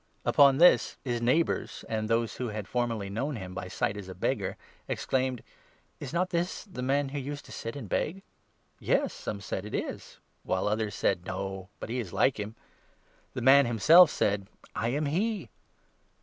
Upon this his neighbours, and those who had formerly 8 known him by sight as a beggar, exclaimed :" Is not this the man who used to sit and beg ?" "Yes," some said, " it is "; while others said :" No, but he 9 is like him." The man himself said : "I am he."